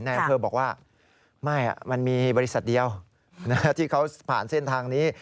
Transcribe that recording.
อำเภอบอกว่าไม่มันมีบริษัทเดียวที่เขาผ่านเส้นทางนี้